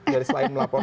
dari selain melapor